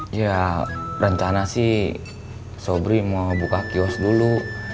ya rencana sih sobri mau buka kios dulu